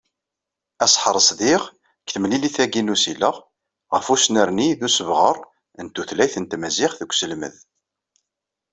Aseḥṛes diɣ deg temlilit-agi n usileɣ, ɣef usnerni d usebɣer n tutlayt n tmaziɣt deg uselmed.